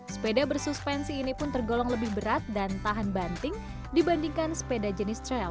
sepeda bersuspensi ini pun tergolong lebih berat dan tahan banting dibandingkan sepeda jenis trail